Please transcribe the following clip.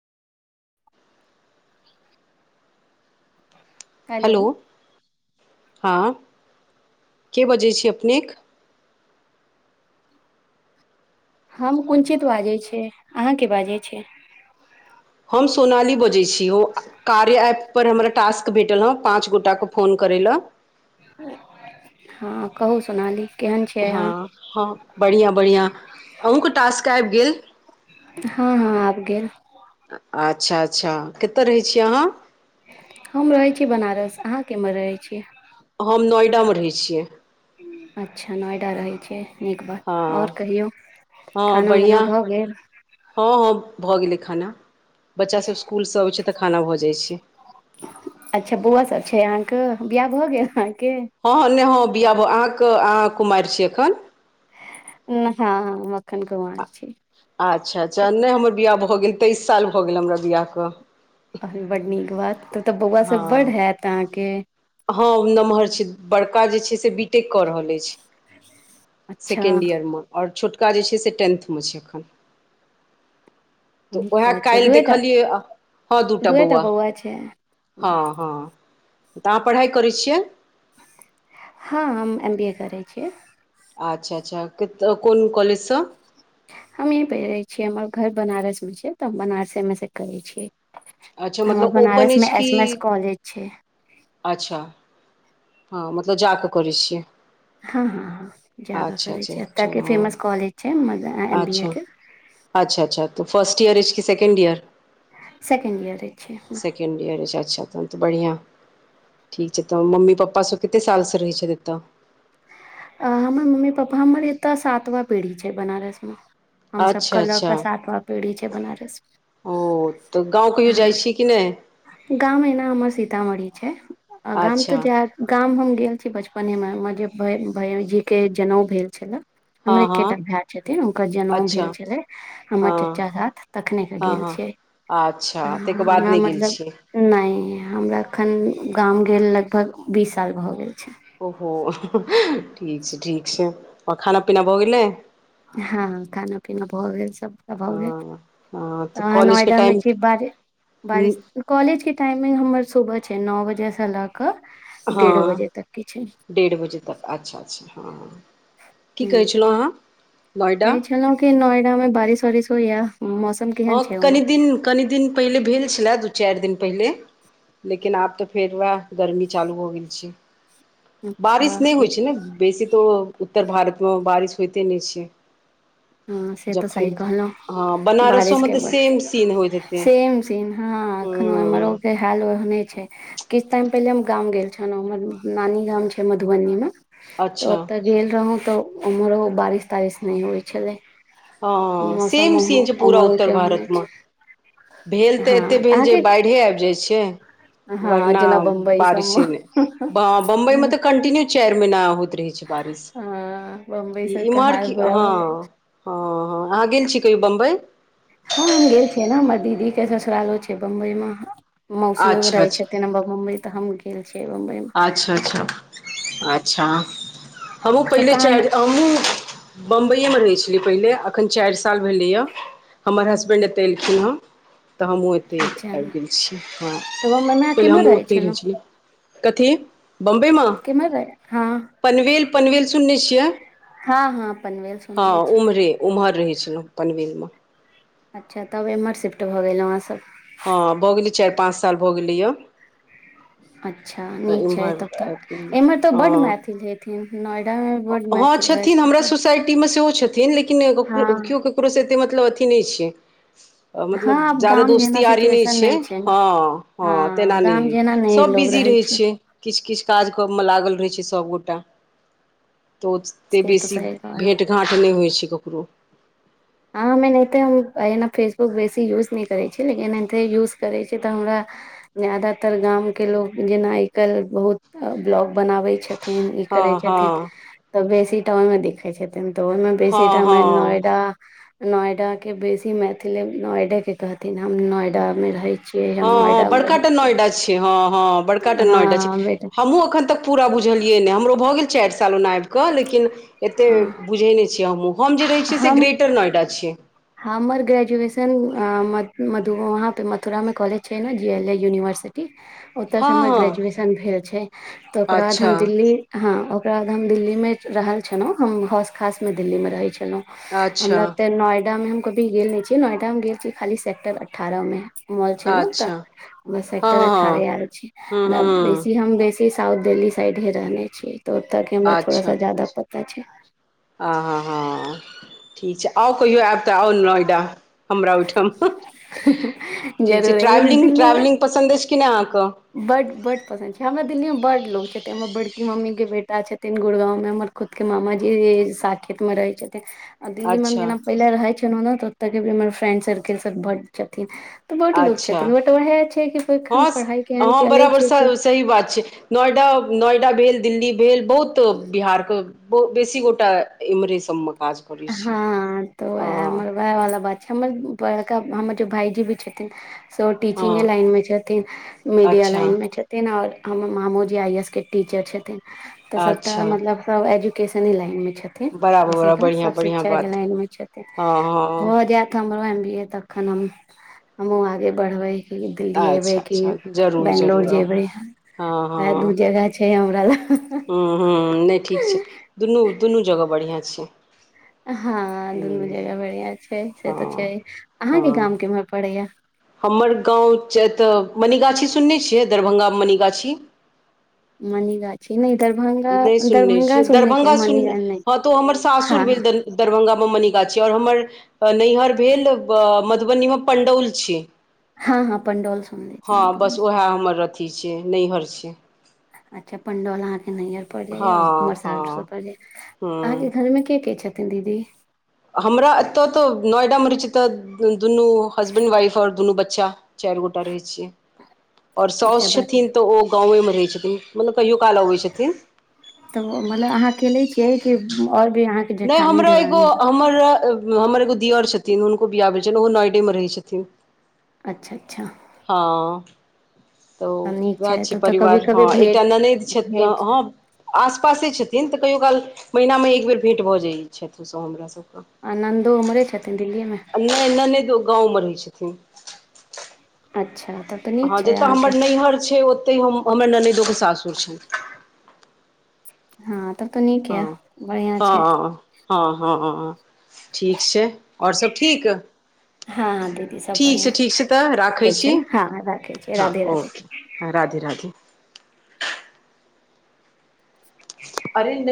[unintelligible] hello हं के बजै छी अपनेक हम कुञ्चित बाजै छी आहाँ के बाजैत छी हम सोनाली बजै छी ओ कार्य ऐप पर हमरा टास्क भेटल हँ पाँच गोटाके फोन करै लय हँ कहु सोनाली केहन छै हँ अहाँ हँ बढ़िआँ बढ़िआँ अहूँके टास्क आबि गेल हँ हँ आइब गेल अच्छा अच्छा कतऽ रहै छियै आहाँ हम रहै छी बनारस अहाँ केम्हर रहैत छियै हम नोएडा में रहै छियै अच्छा नोएडा रहै छै नीक हँ बात और कहियौ हँ खाना बढ़िआँ उना भऽ गेल हँ हँ भऽ गेलै खाना बच्चासब इस्कुलसँ अबैत छै तऽ खाना भऽ जाइत छै अच्छा बौआ सब छै अहाँके बियाह भऽ गेल आहाँके हँ हँ में ह बिआ बू अहाँके अहाँ कुमार छीये एखन हं हँ मखन घुमा छी अच्छा अच्छा नै हमर बियाह भऽ गेल तेइस साल भऽ गेल हमरा बियाहके अ बड नीक बात तऽ तऽ बौआ सब बड होयत अहाँके हं नमहर छै बड़का जे छै से बी टेक कऽ रहल अछि अच्छा सेकेण्ड ईयर में ओर छोटका जे छै से टेन्थमे छै एखन तऽ नीक उएह बात छै काल्ह दूएटा देखलियै हँ दूटा बौआ छै जी हँ हँ तऽ आहाँ पढ़ाइ करै छियै हं हम एम बी ए करै छियै अच्छा अच्छा कोन कॉलेज स हमही पै छियै हमर घर बनारसमे छै तऽ हम बनारसेमे सँ करै छियै अच्छा मतलब हमर ओपन बनारस में अछि कि एस एम एस कॉलेज छै अच्छा हं मतलब जा कऽ करै छियै हं हँ हँ जगऽ अच्छा करै छै अच्छा एतऽ के चलू फेमस कॉलेज छै एम बी अच्छा ए के अच्छा अच्छा तऽ फर्स्ट इयर अछि कि सेकंड ईयर सेकंड इयर छय अच्छा तऽ बढ़िया ठीक छै त मम्मी पप्पा पासु कत सालस रहै छै दत हमर मम्मी पापा हमर एतय सातवा पीढ़ी छै बनारस में अच्छा हमसभके लऽ अच्छा कऽ सातवा पीढ़ी छय बनारसमे ओ तऽ गाँव कहियो जाइ छी कि नय गाम एना हमर सीतामढ़ी छै गाम अच्छा तऽ जार गाम हम गेल छी बचपने में हम जे भजी के जनउ भेल छले हमर हँ एकेटा हँ भाय छथिन हुनकर जनउ अच्छा भेल छलै हमर हँ चाचा साथ तखने के हँ गेल हँ छियै अच्छा तहिके बाद नहि गेल छियै नय हमरा एखन गाम गेल लगभग बीस साल भऽ गेल छै ओहो ठीक छै ठीक छै आरो खाना पीना भऽ गेलै हं खाना पीना भऽ गेल सबटा भऽ गेल हँ हँ तऽ आ कॉलेजके नयदमे टाइम छी बारि कॉलेजके टाइमिंग हमर सुबह छय नओ बजेसँ लग हं डेढ़ बजे तक अच्छा अच्छा हँ की कहै छलहुँ आँहा तै छलहुँ कि नोएडा मे बारिश वारिश होइयाम हँ कनि दिन कनि दिन पहिले भेल छलए दू चाइर दिन पहिले लेकिन आब तऽ फेर वएह गर्मी चालू हो गेल छय बारिश अच्छा नय होइ ई- छै ने बेसी तऽ उत्तर भारतमे बारिश होइते नहि छै हँ से तऽ जखन सही कहलौ हँ बारिश बनारसोमे तऽ सेम सीन होइत हेतै सेम सेम हं एखनोरो हूँ के हाल ओहने छै किछ टाइम पहिले हम गाम गेल छलहुँ हमर नानी गाम छै मधुबनी मे तऽ अच्छा ओतऽ गेल रहौ तऽ उम्हर रह बारिश तारिश नय होइ छलै हं मौसम सेम ओहो- सीन छै पूरा उम्हरो के उत्तर ओहने भारतमे छै भेल तऽ एतेक हँ भेल जे अहाँके बाढ़ि आबि जाइत छै हँ वरना जेना बम्बई सबमे बारिशे ने बम्बई में जेना तऽ कंटिन्यू चारि महिना होइत रहै छै बारिश हँ बम्बई ई सबके महर हाल बुरा ह भऽ जाइ हँ ह अहाँ गेल छी कहियो बम्बई हँ हम गेल छियै ने हमर दीदी के ससुरालो छय बम्बई मे मौसी अच्छा अच्छा रहे छथिन बम्बई ते हम गेल छे बम्बई में अच्छा अच्छा अच्छा हमहूँ तऽ पहिले तहन चारि हमहूँ बम्बइए में रहै छलै पहिले एखन चारि साल भेलैए हमर हसबैंड एतऽ एलखिन हँ तऽ हमहूँ एतहि अच्छा आबि गेल छियै हँ तऽ बम्बई मे पहिले केम्हर हमहूँ रहै ओतहि छलहुँ रहियै कथी बॉम्बे में के म रहै हँ पनवेल पनवेल सुनने छियै हँ हँ पनवेल सुन ले छियै ओम्हर रहै छलहुँ पनवेल में अच्छा तब एम्हर शिफ्ट भ गेलहुँ अहाँसब हँ भऽ गेलै चारि पाँच साल भऽ गेलै यौ अच्छा नीक छय इम्हर तब आबि तऽ गेलियै एम्हर तऽ हँ बड्ड मैथिल हे नोएडा में बड्ड मैथिल रहै छथित सोसाइटी में सेहो छथिन लेकिन केओ ककरोसँ एत मतलब अथी नहि छै हँ मतलब आब जादा गाम दोस्ती जेना यारी नय सिचुएशन छै नहि ने हँ हँ तेना न गाम जेना नहि सब लोग बिजी रहै छै किछ किछु काज क मे लागल रहे छै सबगोटा तऽ ओतेक से तऽ बेसी सही कहलौं भेँट घाँट नय होइ छै ककरो हँ हम एनाहिते हम एना फेसबुक बेसी यूज नहि करैत छी लेकिन एनाहिते यूज करैत छीयै तऽ हमरा जादातर गाम के लोग जेना आइ काल्हि बहुत ब्लॉग बनाबै छथिन ई हँ करै हँ छथिन तऽ बेसीटा ओहिमे दै छथिन तऽ ओहि में हँ बेसी टाइम हँ नोएडा नोएडा के बेसी मैथिल नोएडा के कहथिन हम नोएडा में रहे हँ हँ बड़का टा नोएडा छै हँ हँ बड़काटा हँ नोएडा छै हँ बेटा हमहुँ एखन तक पूरा बुझलियै ने हमरो भऽ गेल चाइर साल ओना आब कऽ लेकिन एते हँ बुझे नहि छिय हमहुँ हम जे रहै छियै से हम ग्रेटर नोएडा छियै हमर ग्रेजुएशन वहाँ पे मथुरा में कॉलेज छै ने ना जे एल ए यूनिवर्सिटी [unintelligible] एतऽसँ हमर हँ ग्रेजुएशन भेल छै तऽ ओकर बाद अच्छा हम दिल्ली हँ ओकरा बाद हम दिल्लीमे रहल छलहुँ हम होस खासमे दिल्लीमे रहै छलहुँ अच्छा हमरा तऽ नोएडा में हम कभी गेल नहि छीयै नोएडा मे गेल छीयै खाली सेक्टर अठारह मे मॉल छै नें तऽ अच्छा बस हँ सेक्टर हँ हँ अठारहे आर हँ छै हँ बेसी हम बेसी साउथ देल्ही साइड ह रहने छियै तऽ ओतऽ के हमरा थोड़ा अच्छा सा जादा पता छै आ हं हं ठीक छै आउ कहियो आब तऽ आउ नोएडा हमरा ओहिठाम ठीक छै जरूर एबे दिल्लीमे ट्रेवलिंग पसन्द अछि कि नहि अहाँकेँ बड पसन्द छै हमरा दिल्लीमे बड लोक छथिन हमर बड़की मम्मीके बेटा छथिन गुड़गाँवमे हमर खुद के मामा जी साकत में रहै छथिन आ दिल्ली में हम अच्छा जेना पहिले रहै छलहु ने तऽ ओत के भी हमर फ्रेंड सर्किल सब बड्ड छथिन तऽ बहुडो अच्छा छथिन ब त वएह छै किखन हँ पढ़ाइ हँ बराबर सही बात छै नोएडा नोएडा भेल दिल्ली भेल बहुत बिहार के बेसी गोटा इम्हरे सब में काज करै छै हँ तो हँ हमर वएह वालला बात छै हमर बड़का हमर जे भायजी भी छथिन सो टीचिंगे हँ लाइन में छथिथिन मिडिया अच्छा लान मे तेहीना हमर मामूजी आइ ए एस के टीचर छथिन तऽ सबटा अच्छा मतलब सब एजुकेशन लाइन में छथिन बराबर बढ़िआँ सब बढ़िआँ शिक्षा के बात लाइन में छथिन हँ हँ भऽ जायत रह एम बी ए तखन हम हमहु आगे बढ़बै कि दिल्ली एबै अच्छा की अच्छा जरूर बंगलोर जरूर आउ जेबे हँ वोहे दू जगह छै हमरा लय ह्मँम ह्मँ नहि ठीक छै दुनू दुनू जगह बढ़िआँ छै हँ दुनु हूँ जगह बढ़ियां छै से तऽ छै हँ अहाँके गाम हँ केम्हर पड़ैया हमर गाँव छै ए तऽ मनिगाछी सुनने छियै दरभंगा में मनिगाछी मनिगा छि दर नै सुनने छियै दरभ्ंगा सुन हँ नहि तऽ ओ हमर सासुर हँ भेल हँ दर दरभंगामे मणिगाछी आओर हमर नैहर भेल मधुबनी में पण्डौल छी हँ हँ पंडौल सुनने छियै हं बस मधुबनी उएह हमर अथी छै नैहर छै अच्छा पंडोलहाँ के नैहर पजाइया हँ उमर साालठ स हँ पड़ जाया अहाँके हूँ घर में के के छथिन दीदी हमरा एतय तऽ नोएडा में रह छै एतऽ दुनू हसबैंड वाइफ आओर दुनू बच्चा चाइर गोटा रहै छीये ओर अच्छा सासस बाकी छथिन तऽ ओ गाँमे रहैत छथिन मतलब कहियो काल अबैत छथिन तब मतलब अहाँ अकेेले छियै की और भी अहाँ नय हमरा एगो हमर हमर एगो दिअर छथिन हुनको बिआह भेलै छइन ओहो नॉइडेमे रहै छथिन अच्छा अच्छा हँ तऽ तब नीक उएह छै तब तऽ कभी परिवार कभी हँ एकटा भेट ननैद छइथ भेट आसपासे छथिन तऽ कहियो काल महिना में एक बेर भेँट भऽ जाइ छथि ओसभ हमरासभकेँ आ नन्दो उम्हरे छथिन दिल्लीमे नै न नहि दो गाँंवमे रहै छथिन अच्छा तब तऽ नीक हँ छै जतय अहाँके हमर नैहर छै ओतइ हम हमर ननैदोे सासुर छ हँ तब तऽ नीक य हँ बढ़िआं हँ छै हँ हँ हँँ ठीक छै आओर सभ ठीक हँ हँ दीदी सब ठीक छै बढ़ियां ठीक छै तऽ राखै ठीक छै छी ने हँ राखै छियै हं राधे राधे ओके हं राधे राधे हं परे नहि